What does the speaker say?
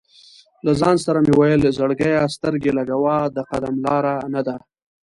له ځان سره مې ویل: "زړګیه سترګې لګوه، د قدم لاره نه ده".